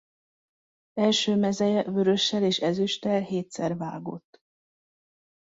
Első mezeje vörössel és ezüsttel hétszer vágott.